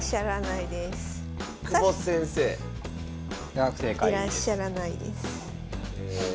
いらっしゃらないです。